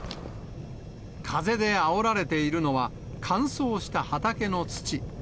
風であおられているのは乾燥した畑の土。